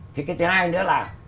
thì cái thứ hai nữa là